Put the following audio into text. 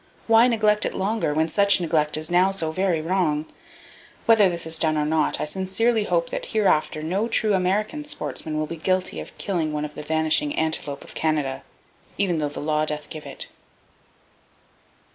Why neglect it longer, when such neglect is now so very wrong? Whether this is done or not, I sincerely hope that hereafter no true American sportsman, will be guilty of killing one of the vanishing antelope of Canada, even though "the law doth give it."